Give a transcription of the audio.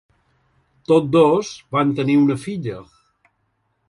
Tots dos van tenir una filla.